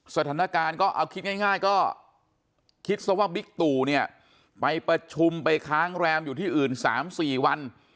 สถานการณ์ก็เอาคิดง่ายก็คิดซะว่าบิ๊กตู่เนี่ยไปประชุมไปค้างแรมอยู่ที่อื่น๓๔วัน